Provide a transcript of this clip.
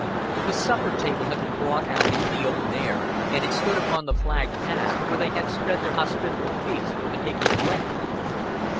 The supper table had been brought out into the open air, and it stood upon the flagged path, where they had spread their hospitable feast for the higgler's wedding.